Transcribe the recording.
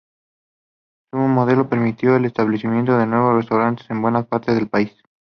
Su modelo permitió el establecimiento de nuevos restaurantes en buena parte del país.